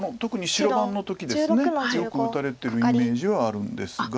白番の時ですよく打たれてるイメージはあるんですが。